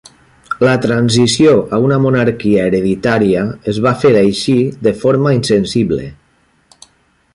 La transició a una monarquia hereditària es va fer així de forma insensible.